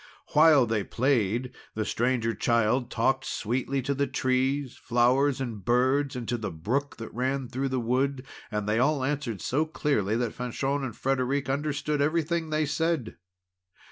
While they played, the Stranger Child talked sweetly to the trees, flowers, and birds, and to the brook that ran through the wood; and they all answered so clearly that Fanchon and Frederic understood everything they said.